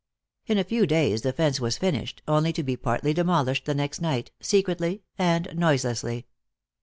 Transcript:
In a few days the fence was finished, only to be partly demolished the next night, secretly and noiselessly.